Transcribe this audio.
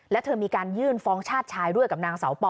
และเธอมีการยื่นฟ้องชาติชายด้วยกับนางสาวปอ